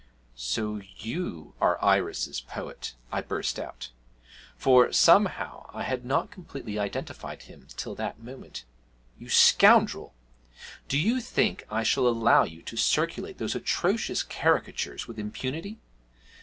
'So you are Iris's poet!' I burst out, for, somehow, I had not completely identified him till that moment. 'You scoundrel! do you think I shall allow you to circulate those atrocious caricatures with impunity?